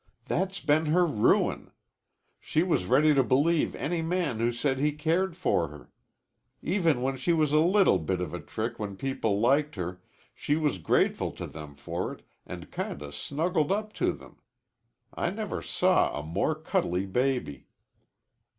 "That's been her ruin. She was ready to believe any man who said he cared for her. Even when she was a little bit of a trick when people liked her, she was grateful to them for it and kinda snuggled up to them. I never saw a more cuddly baby."